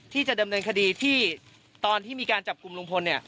ที่จะดำเนินคดีที่ตอนที่มีการจับกลุ่มลุงพล